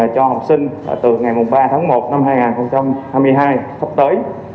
cho học sinh từ ngày ba tháng một năm hai nghìn hai mươi hai sắp tới